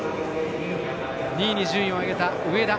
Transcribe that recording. ２位に順位を上げた上田。